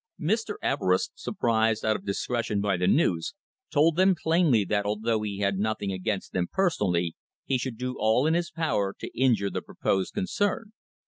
Mr. Everest, surprised out of discretion by the news, told them plainly that although he had nothing against them personally, he should do all in his power to injure the proposed concern.